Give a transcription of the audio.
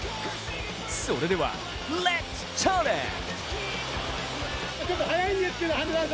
それでは、レッツチャレンジ！